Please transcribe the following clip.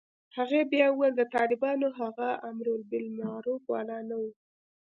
هغې بيا وويل د طالبانو هغه امربالمعروف والا نه و.